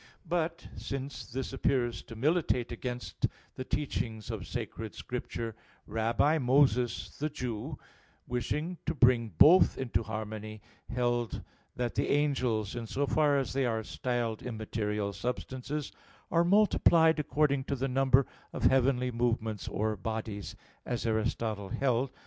But since this appears to militate against the teachings of Sacred Scripture, Rabbi Moses the Jew, wishing to bring both into harmony, held that the angels, in so far as they are styled immaterial substances, are multiplied according to the number of heavenly movements or bodies, as Aristotle held (Metaph.